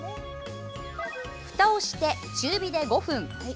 ふたをして、中火で５分。